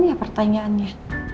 sudah ya pertanyaannya